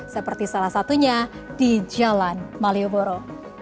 seperti salah satunya di jalan malioboro